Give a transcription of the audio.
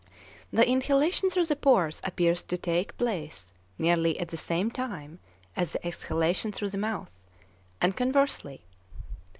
The inhalation through the pores appears to take place nearly at the same time as the exhalation through the mouth; and conversely.